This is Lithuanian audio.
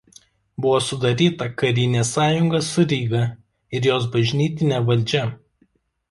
Buvo sudaryta karinė sąjunga su Ryga ir jos bažnytine valdžia.